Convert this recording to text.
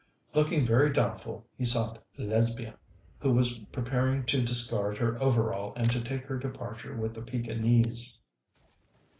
Looking very doubtful, he sought Lesbia, who was preparing to discard her overall and to take her departure with the Pekinese.